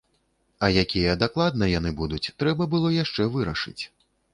А якія дакладна яны будуць, трэба было яшчэ вырашыць.